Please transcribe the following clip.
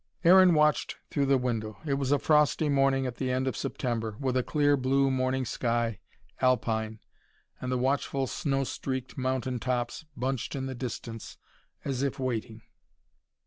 Aaron watched through the window. It was a frosty morning at the end of September, with a clear blue morning sky, Alpine, and the watchful, snow streaked mountain tops bunched in the distance, as if waiting.